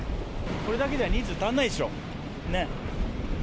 これだけじゃ人数足りないでしょ。ね？